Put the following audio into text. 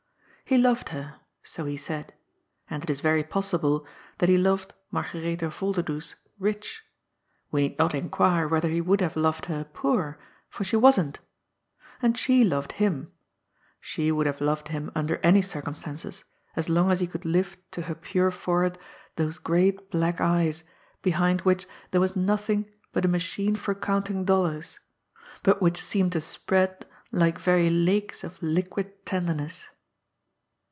He loved her — so he said ; and it is very possible that he loved Margaretha Yolderdoes rich; we need not inquire whether he would have loved her poor, for she wasn't And she loved him ; she would have loved him under any circumstances, as long as he could lift to her pure forehead those great black eyes, behind which there was nothing but a machine for counting dollars, but which seemed to spread like very lakes of liquid tender ness.